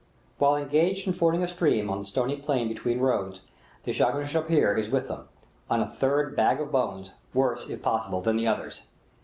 While engaged in fording a stream on the stony plain between road. The shagird chapar is with them, on a third "bag of bones," worse, if possible, than the others.